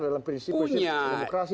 dalam prinsip prinsip demokrasi